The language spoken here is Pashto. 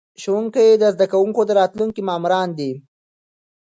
ښوونکي د زده کوونکو د راتلونکي معماران دي.